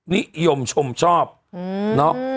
นิยมชมชอบเนาะ